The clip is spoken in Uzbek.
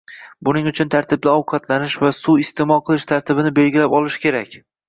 Buning uchun tartibli ovqatlanish va suv iste’mol qilish tartibini belgilab olish kerak.